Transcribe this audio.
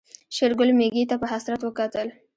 شېرګل ميږې ته په حسرت وکتل.